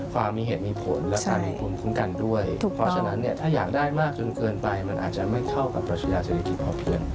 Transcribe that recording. ความมีเหตุมีผลและความมีความคุ้มกันด้วยถ้าอยากได้มากจนเกินไปมันอาจจะไม่เข้ากับประชุยาเศรษฐกิจพอเพียง